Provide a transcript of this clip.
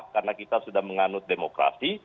karena kita sudah menganut demokrasi